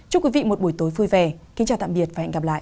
chúc quý vị một buổi tối vui vẻ kính chào tạm biệt và hẹn gặp lại